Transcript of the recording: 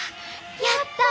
やった！